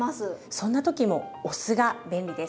そんな時もお酢が便利です。